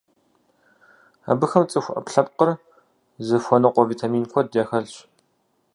Абыхэм цӀыху Ӏэпкълъэпкъыр зыхуэныкъуэ витамин куэд яхэлъщ.